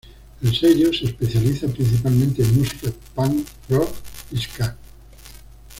El sello se especializa, principalmente en música punk rock y ska.